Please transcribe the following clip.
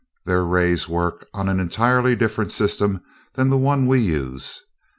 Their rays work on an entirely different system than the one we use.